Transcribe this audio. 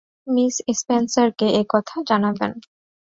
Miss স্পেন্সারকে এ কথা জানাবেন।